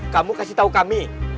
kamu kasih tau kami